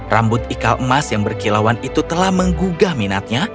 rambut ikal emas yang berkilauan itu telah menggugah minatnya